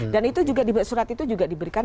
dan surat itu juga diberikan